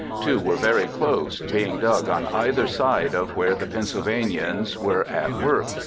Two were very close, being dug on either side of where the Pennsylvanians were at work.